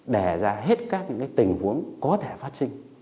để ra hết các tình huống có thể phát sinh